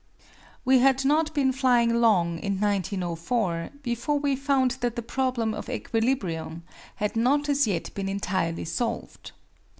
We had not been flying long in 1904 before we found that the problem of equilibrium had not as yet been entirely solved.